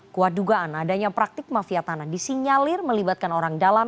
kuat dugaan adanya praktik mafia tanah disinyalir melibatkan orang dalam